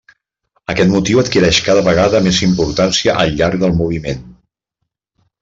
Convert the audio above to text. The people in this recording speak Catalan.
Aquest motiu adquireix cada vegada més importància al llarg del moviment.